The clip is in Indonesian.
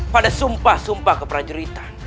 pada sumpah sumpah ke prajuritan